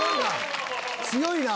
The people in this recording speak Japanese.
強いな！